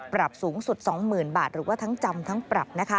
ปรับสูงสุด๒๐๐๐บาทหรือว่าทั้งจำทั้งปรับ